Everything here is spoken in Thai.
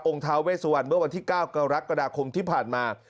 ท้าเวสวันเมื่อวันที่๙กรกฎาคมที่ผ่านมา